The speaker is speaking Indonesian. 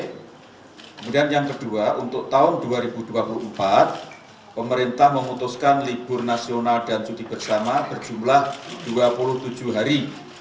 kemudian yang kedua untuk tahun dua ribu dua puluh empat pemerintah memutuskan libur nasional dan cuti bersama berjumlah dua puluh tujuh hari